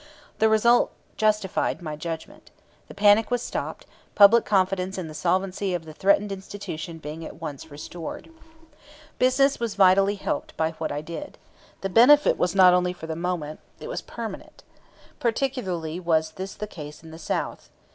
The result justified my judgment. The panic was stopped, public confidence in the solvency of the threatened institution being at once restored. Business was vitally helped by what I did. The benefit was not only for the moment. It was permanent. Particularly was this the case in the South.